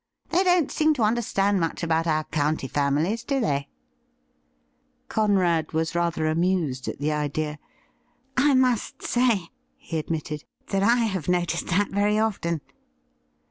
They don't seem to understand much about our county families, do they .?' Conrad was rather amused at the idea. 38 THE RIDDLE RING ' I must say,' he admitted, ' that I have noticed that veiy often.'